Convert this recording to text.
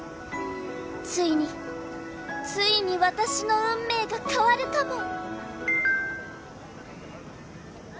［ついについに私の運命が変わるかも！］